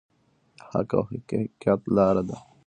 د حق او حقیقت لاره.